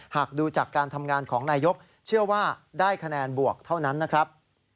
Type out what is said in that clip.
หากดูจากการทำงานของนายกเชื่อว่าได้คะแนนบวกเท่านั้นนะครับ